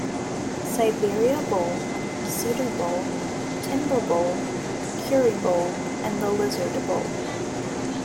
Siberia Bowl, Cedar Bowl, Timber Bowl, Currie Bowl, and the Lizard bowl.